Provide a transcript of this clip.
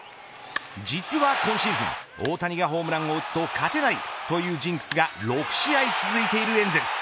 実は今シーズン大谷がホームランを打つと勝てないというジンクスが６試合続いているエンゼルス。